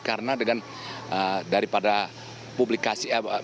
karena dengan daripada publikasi